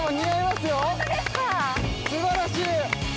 すばらしい。